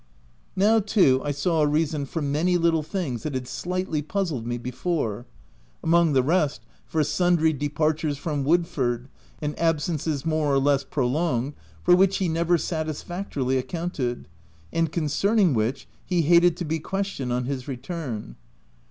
Now too I saw a reason for many little things that had slightly puzzled me before; among the rest, for sundry depart ures from Woodford, and absences more or less prolonged, for which he never satisfactorily accounted, and concerning which he hated to be questioned on his return.